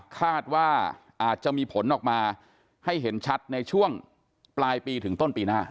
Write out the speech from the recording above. คาดว่าอาจจะมีผลออกมาให้เห็นชัดในช่วงปลายปีถึงต้นปีหน้า